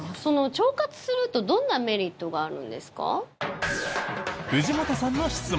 腸活するとどんなメリットがある？